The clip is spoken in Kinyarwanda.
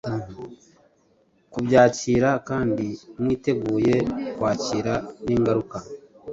Kubyakira kandi mwiteguye kwakira n’ingaruka